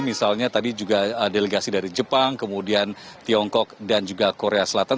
misalnya tadi juga delegasi dari jepang kemudian tiongkok dan juga korea selatan